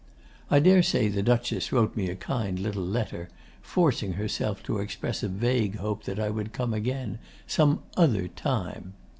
I daresay the Duchess wrote me a kind little letter, forcing herself to express a vague hope that I would come again "some other time."